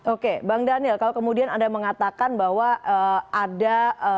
oke bang daniel kalau kemudian anda mengatakan bahwa ada